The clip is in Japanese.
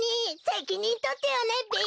せきにんとってよねべ！